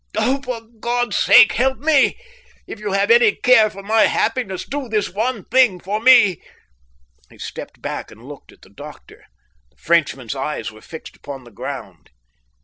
Oh, for God's sake, help me! If you have any care for my happiness do this one thing for me." He stepped back and looked at the doctor. The Frenchman's eyes were fixed upon the ground.